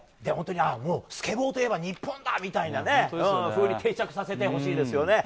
スケボーといえば日本だみたいなふうに定着させてほしいですよね。